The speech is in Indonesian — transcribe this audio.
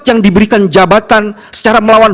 yang diberikan jabatan secara melawan